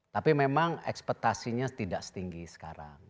tapi memang ekspetasinya tidak setinggi sekarang